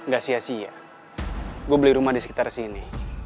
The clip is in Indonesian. gak sia sia gue beli rumah di sekitar sini